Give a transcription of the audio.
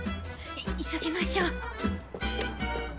急ぎましょう。